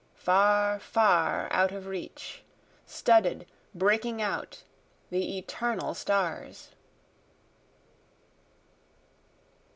far, far out of reach, studded, breaking out, the eternal stars.